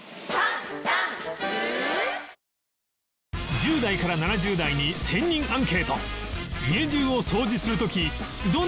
１０代から７０代に１０００人アンケート